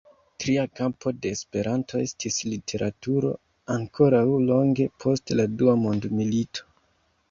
Tria kampo de "Esperanto" estis literaturo, ankoraŭ longe post la dua mondmilito.